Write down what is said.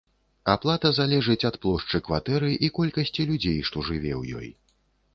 Аплата залежыць ад плошчы кватэры і колькасці людзей, што жыве ў ёй.